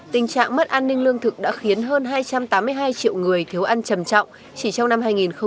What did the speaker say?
tình trạng mất an ninh lương thực đã khiến hơn hai trăm tám mươi hai triệu người thiếu ăn trầm trọng chỉ trong năm hai nghìn một mươi chín